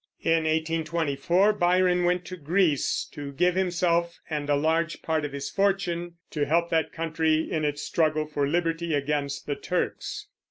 In 1824 Byron went to Greece to give himself and a large part of his fortune to help that country in its struggle for liberty against the Turks.